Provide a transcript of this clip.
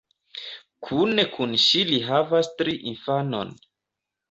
Kune kun ŝi li havas tri infanon.